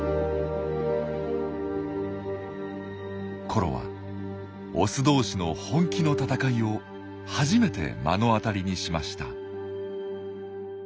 コロはオス同士の本気の戦いを初めて目の当たりにしました。